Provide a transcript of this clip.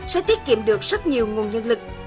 sẽ tiết kiệm được rất nhiều nguồn nhân lực